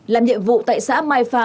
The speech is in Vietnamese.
làm nhiệm vụ tại xã mai pha